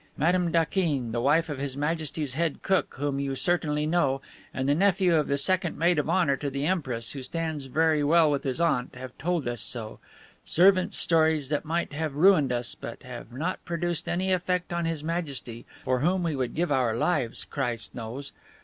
Madame Daquin, the wife of His Majesty's head cook, whom you certainly know, and the nephew of the second Maid of Honor to the Empress, who stands very well with his aunt, have told us so; servants' stories that might have ruined us but have not produced any effect on His Majesty, for whom we would give our lives, Christ knows.